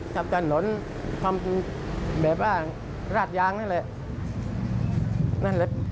ทำถนนแบบราชยางนั่นแหละ